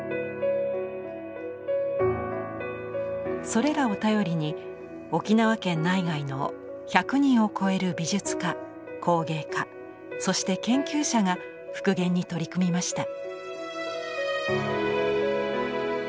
それらを頼りに沖縄県内外の１００人を超える美術家工芸家そして研究者が復元に取り組みました。